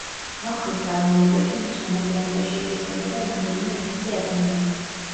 ამ ხნის განმავლობაში მის შემადგენლობაში ირიცხებოდა რამდენიმე ათასი ადამიანი.